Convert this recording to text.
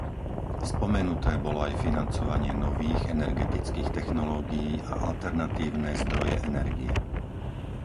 Spomenuté bolo aj financovanie nových energetických technológií a alternatívne zdroje energie.